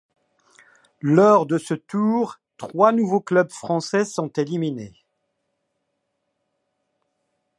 Lors de ce tour, trois nouveaux clubs français sont éliminés.